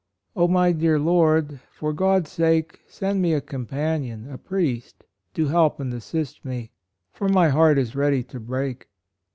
my dear Lord ! for God's sake send me a companion, a priest, to help and assist me, for my heart is ready to break.